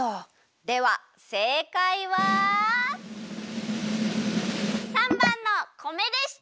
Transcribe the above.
ではせいかいは③ばんの「米」でした！